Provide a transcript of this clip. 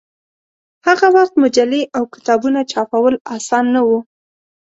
هغه وخت مجلې او کتابونه چاپول اسان نه و.